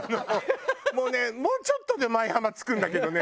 もうねもうちょっとで舞浜着くんだけどね